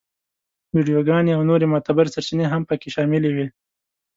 ویډیوګانې او نورې معتبرې سرچینې هم په کې شاملې وې.